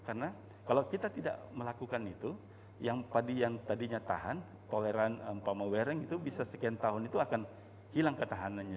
karena kalau kita tidak melakukan itu yang tadi yang tadinya tahan toleran pemain wearing itu bisa sekian tahun itu akan hilang ketahanannya